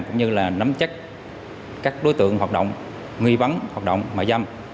cũng như là nắm chắc các đối tượng hoạt động nghi vấn hoạt động mại dâm